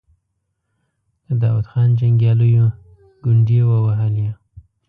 د داود خان جنګياليو ګونډې ووهلې.